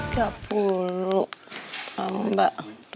kalau yang ini udah